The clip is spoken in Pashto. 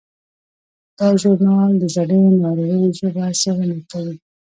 دا ژورنال د زړې ناروېي ژبې څیړنه کوي.